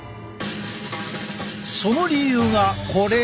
その理由がこれ。